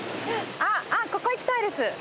あっここ行きたいです。